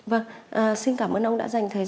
vâng xin cảm ơn ông đã dành thời gian